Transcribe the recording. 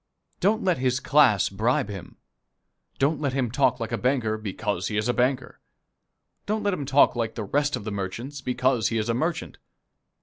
Don't let his class bribe him. Don't let him talk like a banker because he is a banker. Don't let him talk like the rest of the merchants because he is a merchant.